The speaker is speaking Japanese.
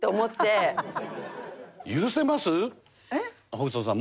北斗さん